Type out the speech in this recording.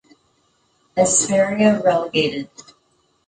Esperia relegated.